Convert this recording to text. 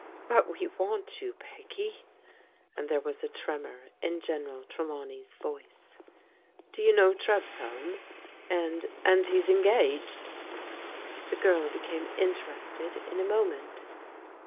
" But we want you, Peggy," and there was a tremor in General Trelawney's voice. "'Do you know Trev's home ? and — and — ^he's engaged !" The girl became interested in a moment.